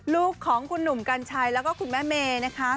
ลูกของคุณหนุ่มกัญชัยแล้วก็คุณแม่เมย์นะคะ